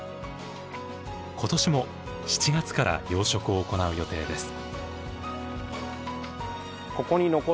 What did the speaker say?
今年も７月から養殖を行う予定です。